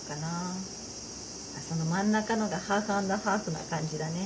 その真ん中のがハーフアンドハーフな感じだね。